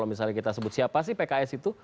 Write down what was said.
misalnya kita sebut siapa sih pks itu